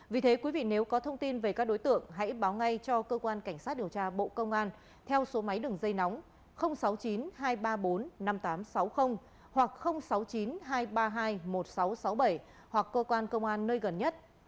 vì thế quý vị nếu có thông tin về các đối tượng hãy báo ngay cho cơ quan cảnh sát điều tra bộ công an theo số máy đường dây nóng sáu mươi chín hai trăm ba mươi bốn năm nghìn tám trăm sáu mươi hoặc sáu mươi chín hai trăm ba mươi hai một nghìn sáu trăm sáu mươi bảy hoặc cơ quan công an nơi gần nhất